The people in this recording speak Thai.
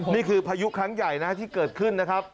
นี่คือพยุคครั้งใหญ่นะครับที่เกิดขึ้นนะครับ